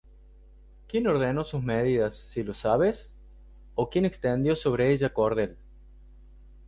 ¿Quién ordenó sus medidas, si lo sabes? ¿O quién extendió sobre ella cordel?